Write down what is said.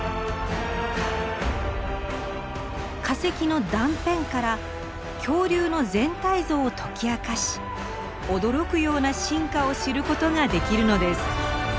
化石の断片から恐竜の全体像を解き明かし驚くような進化を知ることができるのです。